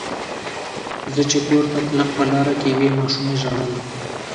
زه چې کور ته تلم په لاره کې یوې ماشومې ژړل.